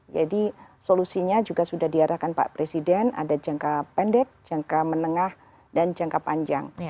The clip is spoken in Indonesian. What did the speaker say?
solusinya juga sudah diarahkan pak presiden ada jangka pendek jangka menengah dan jangka panjang